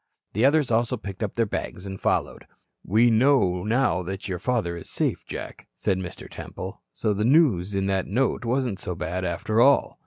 The others also picked up their bags and followed. "We know now that your father is safe, Jack," said Mr. Temple. "So the news in that note wasn't so bad, after all."